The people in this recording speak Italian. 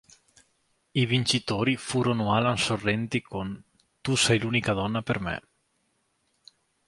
I vincitori furono Alan Sorrenti con "Tu sei l'unica donna per me".